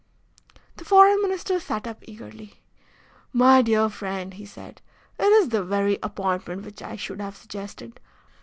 The Foreign Minister sat up eagerly. "My dear friend," he said, "it is the very appointment which I should have suggested.